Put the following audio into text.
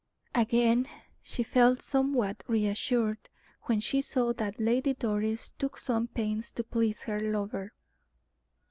Again she felt somewhat reassured when she saw that Lady Doris took some pains to please her lover.